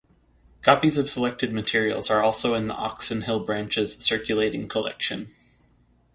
Copies of selected materials are also in the Oxon Hill Branch's circulating collection.